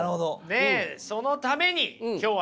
でそのために今日はね